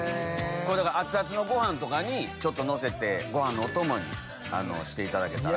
熱々のご飯にちょっとのせてご飯のお供にしていただけたら。